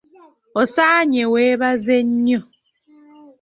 Osaanye weebaze nnyo